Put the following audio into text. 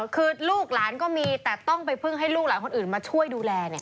คือลูกหลานก็มีแต่ต้องไปพึ่งให้ลูกหลานคนอื่นมาช่วยดูแล